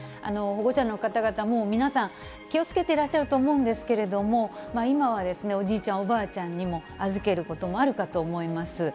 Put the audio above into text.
保護者の方々、もう皆さん、気をつけてらっしゃると思うんですけれども、今はおじいちゃん、おばあちゃんにも預けることもあるかと思います。